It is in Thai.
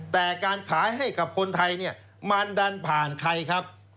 แต่การขายให้กับคนไทยเนี่ยมันดันผ่านใครครับ